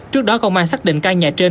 trước đó công an xác định căn nhà trên